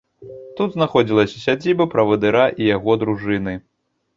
Тут знаходзілася сядзіба правадыра і яго дружыны.